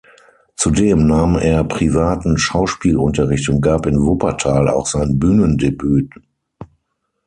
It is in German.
Zudem nahm er privaten Schauspielunterricht und gab in Wuppertal auch sein Bühnendebüt.